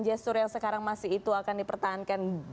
gestur yang sekarang masih itu akan dipertahankan